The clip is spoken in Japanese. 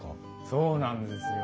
そうなんですよ。